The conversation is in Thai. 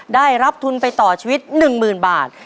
ได้รับทุนไปต่อชีวิต๑๐๐๐บาท